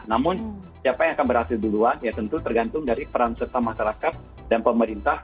namun siapa yang akan berhasil duluan ya tentu tergantung dari peran serta masyarakat dan pemerintah